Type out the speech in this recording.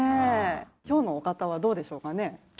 今日のお方はどうでしょうかね？